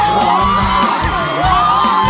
อรงอยู่